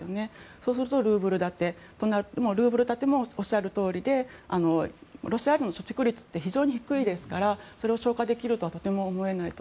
そうするとルーブル建てとなるけれどルーブル建てもおっしゃるとおりでロシア人の貯蓄率って非常に低いですからそれを消化できるとはとても思えないと。